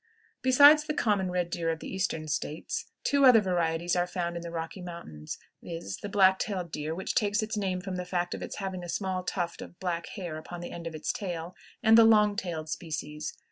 Besides the common red deer of the Eastern States, two other varieties are found in the Rocky Mountains, viz., the "black tailed deer," which takes its name from the fact of its having a small tuft of black hair upon the end of its tail, and the long tailed species.